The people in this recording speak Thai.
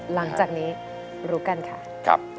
หลังจากนี้รู้กันค่ะ